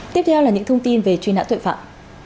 tiếp theo là những thông tin về truy nã tội phạm